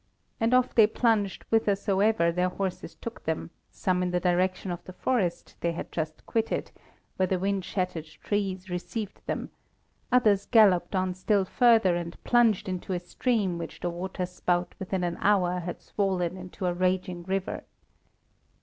And off they plunged whithersoever their horses took them, some in the direction of the forest they had just quitted, where the wind shattered trees received them, others galloped on still further, and plunged into a stream which the water spout within an hour had swollen into a raging river.